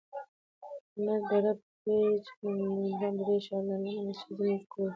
کنړ.دره پیج.ننګلام.دری ښار.للمه.مسجد زموړږ کور